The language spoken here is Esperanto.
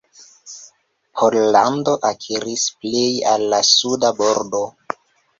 Pollando akiris plej el la suda bordo.